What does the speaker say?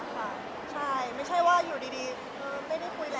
ไม่มีค่ะวันนั้นแทบจะไม่ได้คุยกันเลย